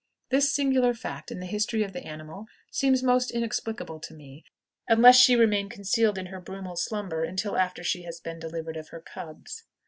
This singular fact in the history of the animal seems most inexplicable to me, unless she remain concealed in her brumal slumber until after she has been delivered of her cubs.